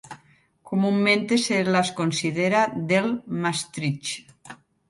Comúnmente se las considera del Maastrichtiense.